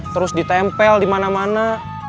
terus ditempel dimana mana